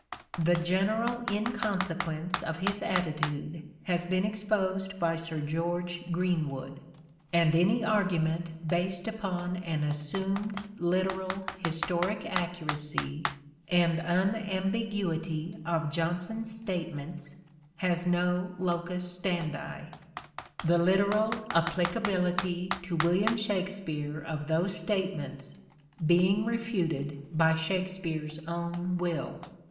The general inconsequence of his attitude has been exposed by Sir George Greenwood ; and any argument based upon an assumed literal historic accuracy and un ambiguity of Jonson's statements has no lows standi; 46 SHAKESPEARE " IDENTIFIED A bookless Shakspere'g will. the literal applicability to William Shakspere of those statements being refuted by Shakspere's own will.